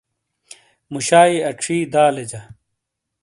مُوشائی اچھی دالے جا۔